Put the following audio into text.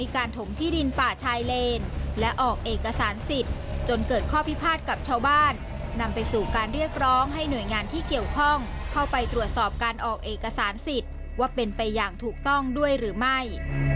การเลือกร้องให้หน่วยงานที่เกี่ยวข้องเข้าไปตรวจสอบการออกเอกสารสิทธิ์ว่าเป็นไปอย่างถูกต้องด้วยหรือไม่